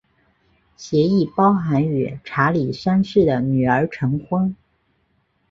协议包含与查理三世的女儿成婚。